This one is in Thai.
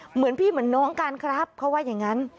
เหมือนพี่เหมือนน้องกันครับเขาว่าอย่างนั้น